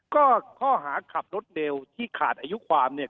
ก็ข้อหาขับรถเร็วที่ขาดอายุความเนี่ย